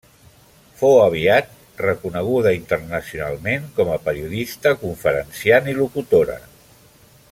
Fou aviat reconeguda internacionalment com a periodista, conferenciant i locutora.